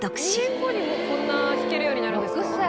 ２年後にもうこんな弾けるようになるんですか？